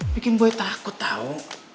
bikin boy takut tau